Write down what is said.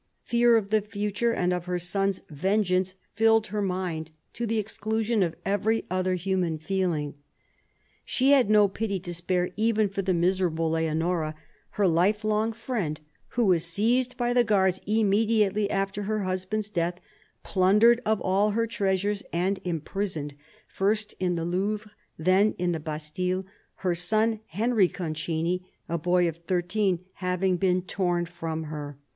Fear of the future and of her son's vengeance filled her mind, to the exclusion of every other human feeling. She had no pity to spare even for the miserable Leonora, her lifelong friend, who was seized by the guards immediately after her husband's death, plundered of all her treasures and imprisoned, first in the Louvre, then in the Bastille, her son Henry Concini, a boy of thirteen, having been torn from her.